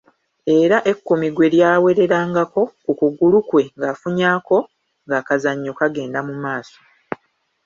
Era ekkumi gwe lyawererangako ku kugulu kwe ng’akufunyako ng’akazannyo kagenda mu maaso.